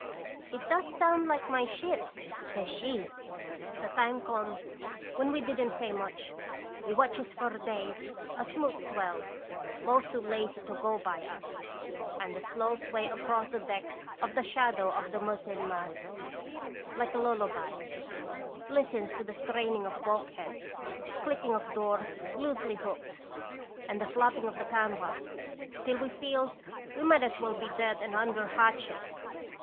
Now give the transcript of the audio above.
' "'It does sound like 'my ship',' says she. " The time come when we didn't say much. We watches for days a smooth swell, most too lazy to go by us, and the slow sway across the deck of the shadow of the mizzen mast, like a lullaby, listens to the straining of bulk heads, clicking of doors loosely hooked, and the flapping of the canvas, till we feels we might as well be dead and under hatches.